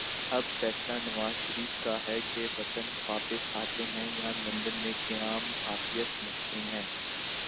اب فیصلہ نوازشریف کا ہے کہ وطن واپس آتے ہیں یا لندن قیام میں عافیت سمجھتے ہیں۔